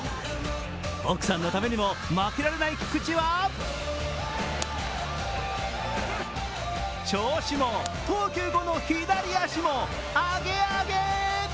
奥さんのためにも負けられない菊池は調子も、投球後の左足もアゲアゲ！